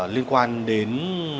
liên quan đến